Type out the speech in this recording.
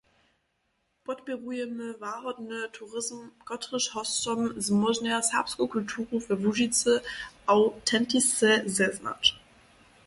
Podpěrujemy łahodny turizm, kotryž hosćom zmóžnja serbsku kulturu we Łužicy awtentisce zeznać.